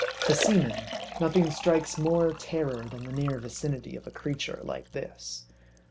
To seamen, nothing strikes more terror than the near vicinity of a creature like this.